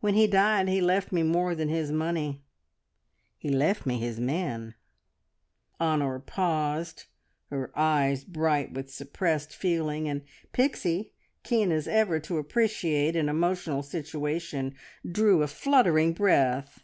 When he died he left me more than his money, he left me his men!" Honor paused, her eyes bright with suppressed feeling, and Pixie, keen as ever to appreciate an emotional situation, drew a fluttering breath.